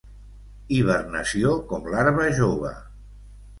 Hibernació com larva jove.